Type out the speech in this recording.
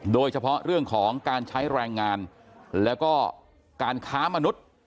โดยเฉพาะเรื่องของการใช้แรงงานแล้วก็การค้ามนุษย์